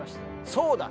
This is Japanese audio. そうだ！